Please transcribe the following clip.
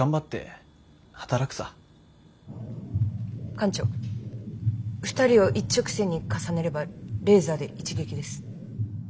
艦長２人を一直線に重ねればレーザーで一撃です。